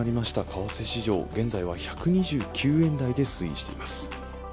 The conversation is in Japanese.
為替市場現在は１２９円台で推移しています。